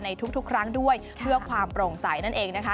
ในทุกครั้งด้วยเพื่อความโปร่งใสนั่นเองนะคะ